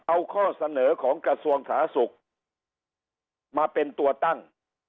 เอาข้อเสนอของกระทรวงสาธารณสุขมาเป็นตัวตั้ง